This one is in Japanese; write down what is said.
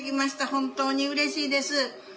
本当にうれしいです。